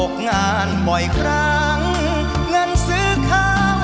ช่วยฝังดินหรือกว่า